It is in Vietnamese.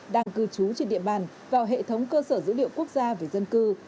đang cư trú trên địa bàn vào hệ thống cơ sở dữ liệu quốc gia về dân cư